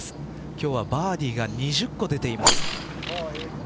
今日はバーディーが２０個出ています。